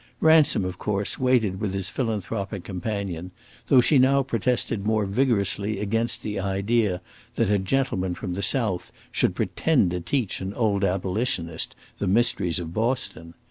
Ransom, of course, waited with his philanthropic companion, though she now protested more vigorously against the idea that a gentleman from the South should pretend to teach an old abolitionist the mysteries of Boston.